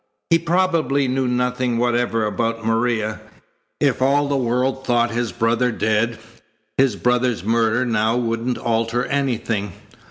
He probably knew nothing whatever about Maria. If all the world thought his brother dead, his brother's murder now wouldn't alter anything.